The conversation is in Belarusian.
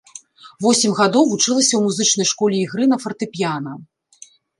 Восем гадоў вучылася ў музычнай школе ігры на фартэпіяна.